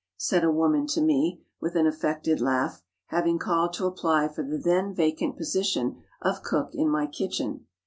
said a woman to me, with an affected laugh, having called to apply for the then vacant position of cook in my kitchen.